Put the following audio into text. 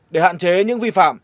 để hạn chế những vi phạm